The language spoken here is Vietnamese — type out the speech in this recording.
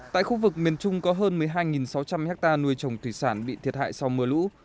tại khu vực miền trung có hơn một mươi hai sáu trăm linh hectare nuôi trồng thủy sản bị thiệt hại sau mưa lũ